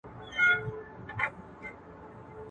مرحوم عبدالواسع شهيد وويل